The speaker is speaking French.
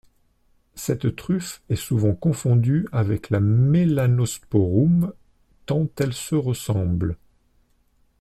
Cette truffe est souvent confondue avec la mélanosporum tant elle se ressemblent.